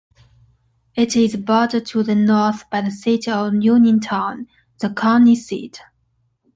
It is bordered to the north by the city of Uniontown, the county seat.